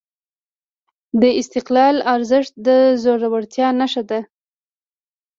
د استقلال ارزښت د زړورتیا نښه ده.